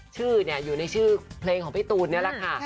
ชื่ออยู่ในชื่อเพลงของพี่ตูนนี่แหละค่ะ